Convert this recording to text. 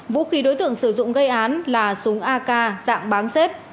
vũ khí đối tượng sử dụng gây án là súng ak dạng bán xếp